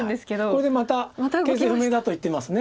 これでまた形勢不明だと言ってます。